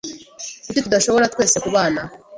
Kuki tudashobora twese kubana?